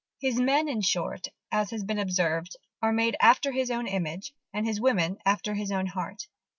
His men, in short, as has been observed, are "made after his own image, and his women after his own heart."